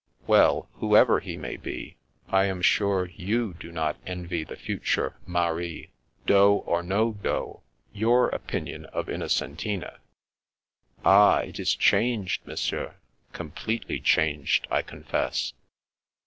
" Well, whoever he may be, I am sure you do not envy the future mari, dot or no dot. Your opinion of Innocentina *' ''Ah, it is changed. Monsieur, completely changed, I confess."